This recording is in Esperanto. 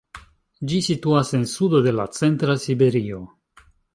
Ĝi situas en sudo de la centra Siberio.